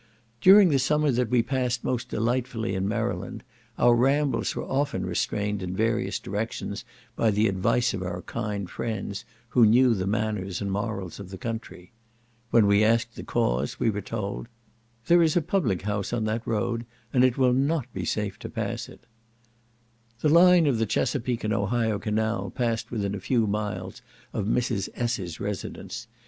During the summer that we passed most delightfully in Maryland, our rambles were often restrained in various directions by the advice of our kind friends, who knew the manners and morals of the country. When we asked the cause, we were told, "There is a public house on that road, and it will not be safe to pass it," The line of the Chesapeak and Ohio canal passed within a few miles of Mrs. S—'s residence.